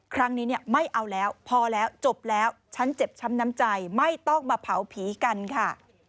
ครั้งนี้ไม่เอาแล้วพอแล้วจบแล้วฉันเจ็บช้ำน้ำใจไม่ต้องมาเผาผีกันค่ะ